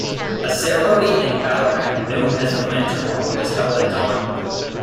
A ceremony in Ballarat known as the lantern walk was held at dawn.